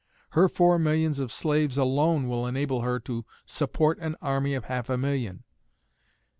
_Her four millions of slaves alone will enable her to support an army of half a million.